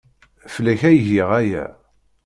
Fell-ak ay giɣ aya.